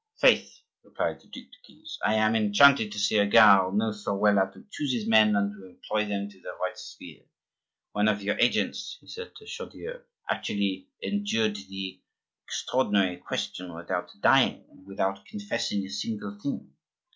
"Faith!" replied the Duc de Guise, "I am enchanted to see a gars who knows so well how to choose his men and to employ them in their right sphere. One of your agents," he said to Chaudieu, "actually endured the extraordinary question without dying and without confessing a single thing.